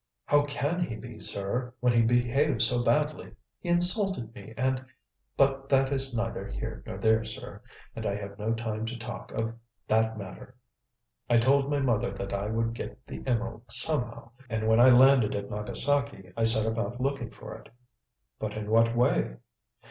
"How can he be, sir, when he behaves so badly? He insulted me and but that is neither here nor there, sir, and I have no time to talk of that matter. I told my mother that I would get the emerald somehow, and when I landed at Nagasaki, I set about looking for it." "But in what way?"